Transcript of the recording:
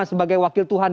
sebagai wakil tuhan